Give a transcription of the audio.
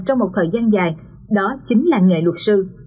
trong một thời gian dài đó chính là nghề luật sư